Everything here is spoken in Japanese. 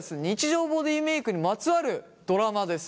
日常ボディーメイクにまつわるドラマです。